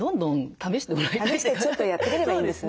試してちょっとやってみればいいんですね。